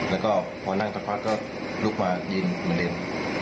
แล้วก็พอนั่งสักพักก็ลุกมายืนเหมือนเดิม